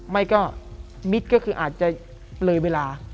ไม่ก็มิตรก็คืออาจจะเลยเวลา